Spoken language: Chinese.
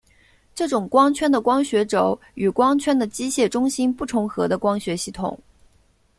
这种光圈的光学轴与光圈的机械中心不重合的光学系统。